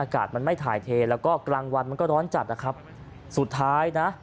อากาศมันไม่ถ่ายเทแล้วก็กลางวันมันก็ร้อนจัดนะครับสุดท้ายนะ